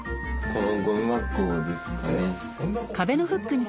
これゴミ箱ですね。